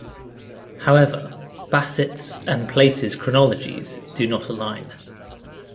However, Bassett's and Place's chronologies do not align.